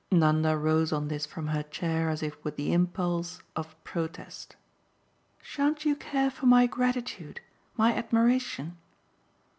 Nanda rose on this from her chair as with the impulse of protest. "Shan't you care for my gratitude, my admiration?"